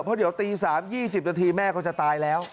เพราะเดี๋ยวตี๓๒๐นาทีแม่ก็จะตายแล้ว